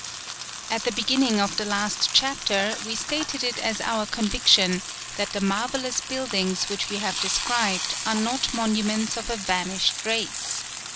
At the beginning of the last chapter we stated it as our conviction that the marvellous buildings which we have described are not monuments of a vanished race.